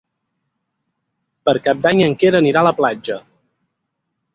Per Cap d'Any en Quer anirà a la platja.